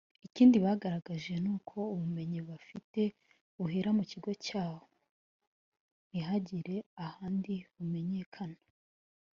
Ikindi bagaragaje ni uko ubumenyi bafite buhera mu kigo cyabo ntihagire ahandi bumenyekana